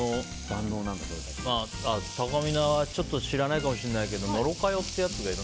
たかみなはちょっと知らないかもしれないけど野呂佳代っていうやつがいて。